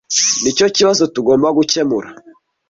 Nicyo kibazo tugomba gukemura.